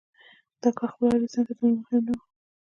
دا کار خپله ايډېسن ته دومره مهم نه و.